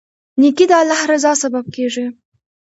نیکي د الله رضا سبب کیږي.